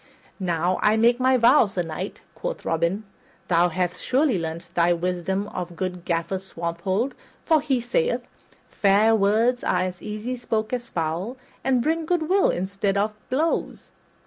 "Now, I make my vow, Sir Knight," quoth Robin, "thou hast surely learned thy wisdom of good Gaffer Swanthold, for he sayeth, 'Fair words are as easy spoke as foul, and bring good will in the stead of blows.'